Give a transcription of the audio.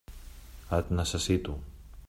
Et necessito.